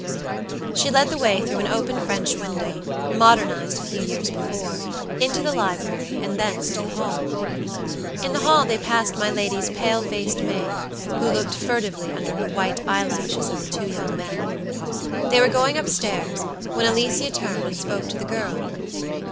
She led the way through an open French window, modernized a few years before, into the library, and thence to the hall. In the hall they passed my lady's pale faced maid, who looked furtively under her white eyelashes at the two young men. They were going up stairs, when Alicia turned and spoke to the girl.